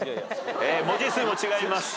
文字数も違いますし。